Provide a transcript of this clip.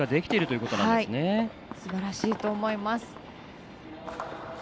すばらしいと思います。